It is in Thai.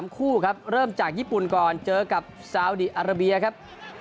คู่ครับเริ่มจากญี่ปุ่นก่อนเจอกับซาวดีอาราเบียครับ